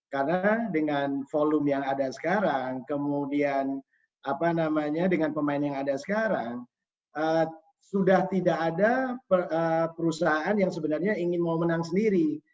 karena dengan volume yang ada sekarang kemudian dengan pemain yang ada sekarang sudah tidak ada perusahaan yang sebenarnya ingin mau menang sendiri